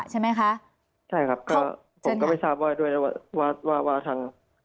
ใช่ไหมคะใช่ครับก็ผมก็ไม่ทราบว่าด้วยนะว่าว่าทาง